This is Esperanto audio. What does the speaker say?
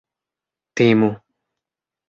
timu